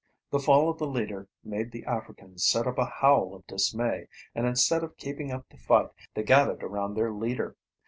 The fall of the leader made the Africans set up a howl of dismay, and instead of keeping up the fight they gathered around their leader.